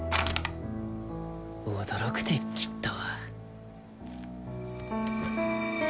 驚くてきっと。